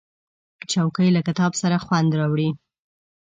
چوکۍ له کتاب سره خوند راوړي.